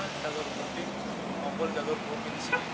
di jalur kutip di jalur komisi